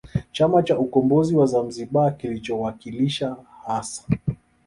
Chama cha Ukombozi wa Zamzibar kilichowakilisha hasa